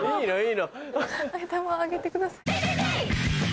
頭を上げてください。